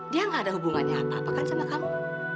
dia gak ada hubungannya apa apa kan sama kamu